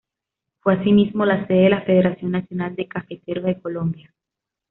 Fue asimismo la sede de la Federación Nacional de Cafeteros de Colombia.